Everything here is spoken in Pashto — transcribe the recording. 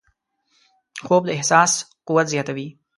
خوب د احساس قوت زیاتوي